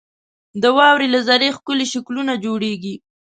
• د واورې له ذرې ښکلي شکلونه جوړېږي.